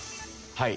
はい。